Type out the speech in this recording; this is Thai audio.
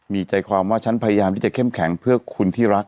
มีใจความว่าฉันพยายามที่จะเข้มแข็งเพื่อคุณที่รัก